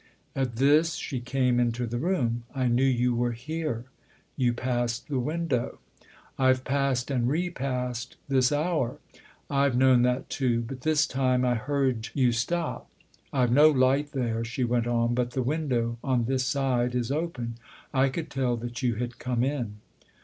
At this she came into the room. " I knew you were here. You passed the window." " I've passed and repassed this hour." " I've known that too, but this time I heard you stop. I've no light there," she went on, "but the window, on this side, is open. I could tell that you had come in."